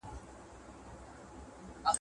ميرمن بايد څرنګه د خاوند خدمت وکړي؟